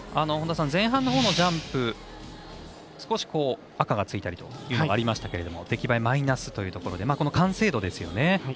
前半のほうのジャンプ少し赤がついたりというのがありましたけれども、出来栄えはマイナスということでこの完成度ですよね。